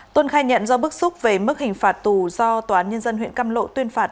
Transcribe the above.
tuân khai nhận do bức xúc về mức hình phạt tù do toán nhân dân huyện căm lộ tuyên phạt